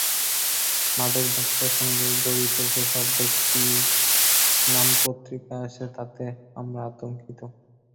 মাদক ব্যবসার সঙ্গে জড়িত যেসব ব্যক্তির নাম পত্রিকায় আসে তাতে আমরা আতঙ্কিত।